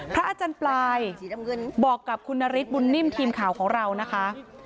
อาจารย์ปลายบอกกับคุณนฤทธบุญนิ่มทีมข่าวของเรานะคะ